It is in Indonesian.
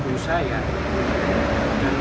kisah kisah yang terjadi di jakarta